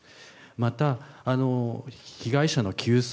また被害者の救済、